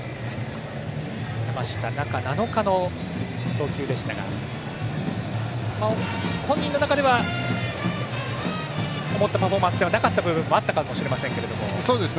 山下、中７日の投球でしたが本人の中では思ったパフォーマンスではなかったという部分もあったかもしれませんけども。